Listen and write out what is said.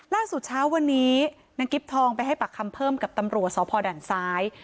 ล่าสุดเช้าวันนี้นางกิ๊บทองไปให้ปากคำเพิ่มกับตำรวจสพด่านซ้าย